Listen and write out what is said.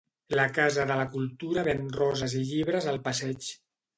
La Casa de cultura ven roses i llibres al passeig.